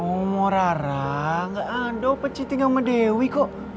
omor rara gak ada opa cheating sama dewi kok